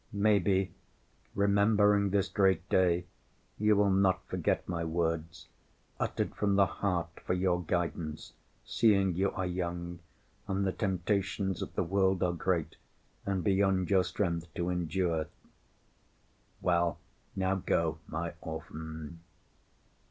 Maybe, remembering this great day, you will not forget my words, uttered from the heart for your guidance, seeing you are young, and the temptations of the world are great and beyond your strength to endure. Well, now go, my orphan."